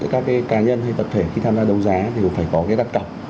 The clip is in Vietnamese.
các cá nhân hay vật thể khi tham gia đấu giá thì cũng phải có cái đặt cọc